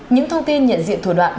những thông tin nhận diện thủ đoạn